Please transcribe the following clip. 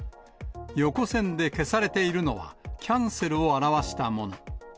横線で消されているのは、キャンセルを表したもの。